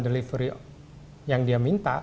delivery yang dia minta